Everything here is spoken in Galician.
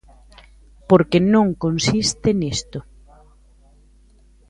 Porque non consiste nisto.